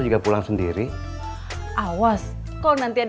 maaf sekali pak